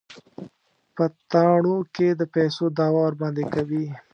په تاڼو کې د پيسو دعوه ورباندې کوي.